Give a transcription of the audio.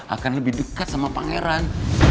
akan lebih dekat sama pangeran